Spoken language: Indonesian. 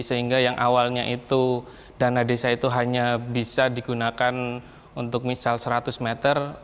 sehingga yang awalnya itu dana desa itu hanya bisa digunakan untuk misal seratus meter